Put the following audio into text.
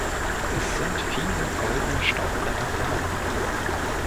Es sind viele „goldene“ Staubblätter vorhanden.